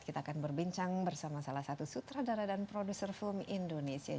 kita akan berbincang bersama salah satu sutradara dan produser film indonesia